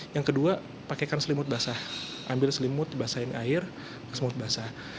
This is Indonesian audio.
yang kedua pakaikan selimut basah ambil selimut basah yang air kesemut basah